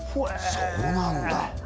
そうなんだ